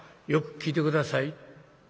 よく聞いて下さい。